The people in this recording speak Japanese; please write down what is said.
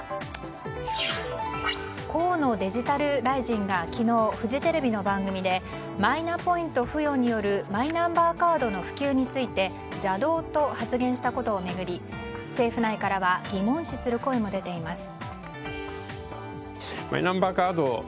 河野デジタル大臣が昨日、フジテレビの番組でマイナポイント付与によるマイナンバーカードの普及について邪道と発言したことを巡り政府内からは疑問視する声も出ています。